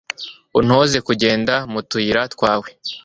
untoze kugenda mu tuyira twawe